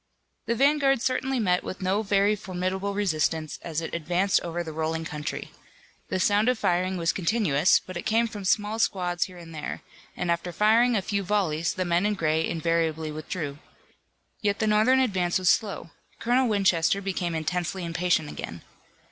The vanguard certainly met with no very formidable resistance as it advanced over the rolling country. The sound of firing was continuous, but it came from small squads here and there, and after firing a few volleys the men in gray invariably withdrew. Yet the Northern advance was slow. Colonel Winchester became intensely impatient again.